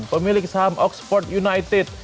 pemilik saham oxford united